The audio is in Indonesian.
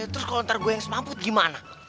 terus kalau nanti gue yang semaput gimana